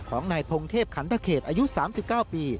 ของนายพงเทพขันตะเขตอายุ๓๙ปี